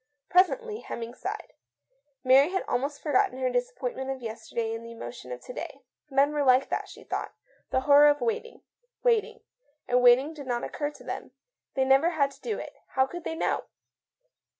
Presently Hemming sighed. Mary had almost forgotten her disappointment of yesterday in the emotion of to day. Men were like that, she thought. The horror of waiting, waiting, and waiting did not occur to them. They never had to do it; how could they know